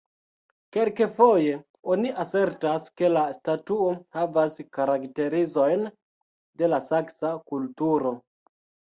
Kelkfoje oni asertas ke la statuo havas karakterizojn de la saksa kulturo.